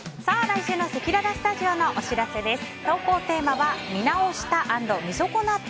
来週のせきららスタジオのお知らせです。